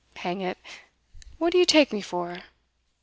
'Hang it! what do you take me for?